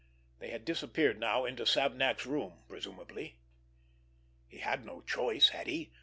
They had disappeared now into Savnak's room, presumably. He had no choice, had he?